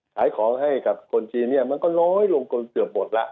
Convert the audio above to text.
สายของให้กับคนจีนมันก็ล้อยลงกว่าเกือบบทแล้ว